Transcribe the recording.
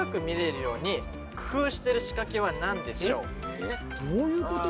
・えっどういうこと？